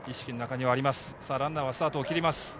ランナーはスタートを切ります。